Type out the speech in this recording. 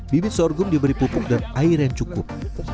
bibit sorghum diberi pupuk dan air yang cukup